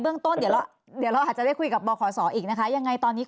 เรื่องต้นเดี๋ยวเราอาจจะได้คุยกับบขศอีกนะคะยังไงตอนนี้